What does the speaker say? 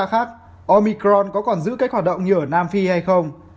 trong thời gian khác omicron có còn giữ cách hoạt động như ở nam phi hay không